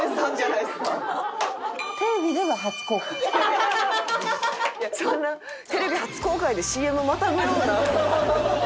いやそんな「テレビ初公開！」でＣＭまたぐような事ではなかった。